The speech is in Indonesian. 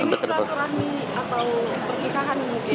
peraturan ini atau perpisahan mungkin